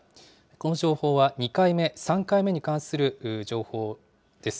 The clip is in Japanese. この情報は２回目、３回目に関する情報です。